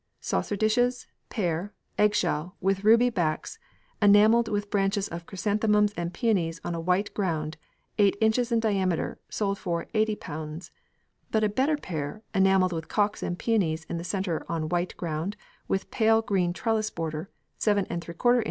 Saucer dishes, pair, eggshell, with ruby backs, enamelled with branches of chrysanthemums and peonies on a white ground, 8 in. in diameter, sold for ┬Ż80, but a better pair, enamelled with cocks and peonies in the centre on white ground, with pale green trellis border, 7┬Š in.